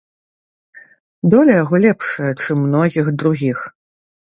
Доля яго лепшая, чым многіх другіх.